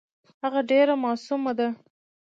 هغه ډېره معصومه ده .